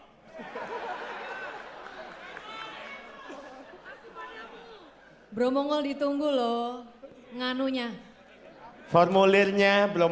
hai hai bro mongol ditunggu loh ngamunya formulirnya belum